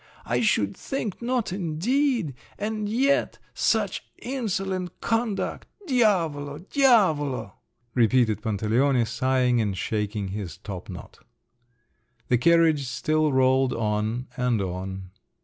I should think not indeed! And yet … such insolent conduct! Diavolo, diavolo!" repeated Pantaleone, sighing and shaking his topknot. The carriage still rolled on and on.